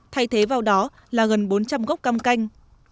thay thế vào đó là gần bốn trăm linh gốc cam canh